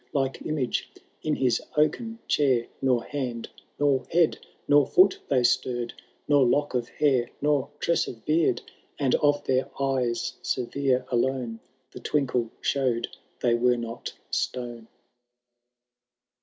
Like image in his oaken chair ; Nor head, nor hand, nor foot they stirrM, Nor lock of hair, nor tress of beard ; And of their eyes severe alone The twinkle showed they were not stone.